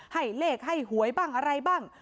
ให้เลขให้หวยบ้างอะไรบ้าง